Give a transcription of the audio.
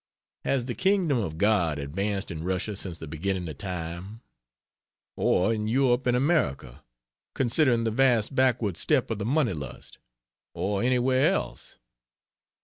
Has the Kingdom of God advanced in Russia since the beginning of time? Or in Europe and America, considering the vast backward step of the money lust? Or anywhere else?